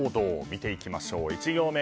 見ていきましょう、１行目。